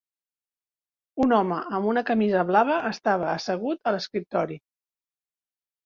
Un home amb una camisa blava estava assegut a l'escriptori.